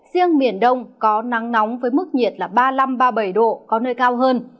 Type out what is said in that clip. riêng miền đông có nắng nóng với mức nhiệt là ba mươi năm ba mươi bảy độ có nơi cao hơn